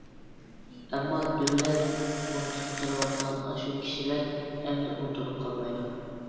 ئەمما دۆلەت ئۇنتۇپ قېلىۋاتقان ئاشۇ كىشىلەر ئەمدى ئۇنتۇلۇپ قالمايدۇ.